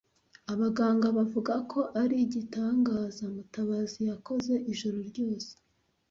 Abaganga bavuga ko ari igitangaza Mutabazi yakoze ijoro ryose.